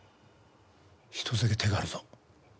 一つだけ手があるぞ。